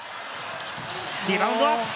リバウンド！